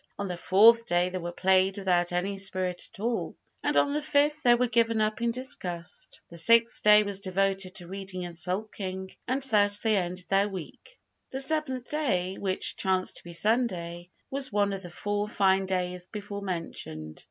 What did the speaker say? On the fourth day they were played without any spirit at all, and on the fifth they were given up in disgust. The sixth day was devoted to reading and sulking, and thus they ended that week. The seventh day, which chanced to be Sunday, was one of the four fine days before mentioned.